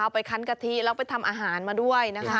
ไปคันกะทิแล้วไปทำอาหารมาด้วยนะคะ